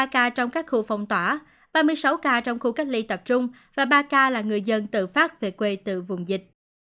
hai trăm ba mươi ba ca trong các khu phong tỏa ba mươi sáu ca trong khu cách ly tập trung và ba ca là người dân tự phát về quê từ vùng dịch